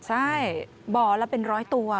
ใช่บ่อละเป็น๑๐๐ตัว